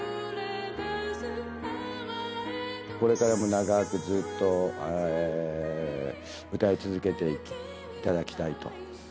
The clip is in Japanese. これからも長くずっと歌い続けていただきたい。